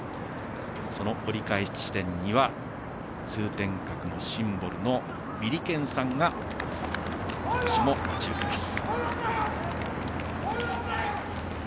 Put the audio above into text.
その折り返し地点には通天閣のシンボルのビリケンさんが今年も待ち受けます。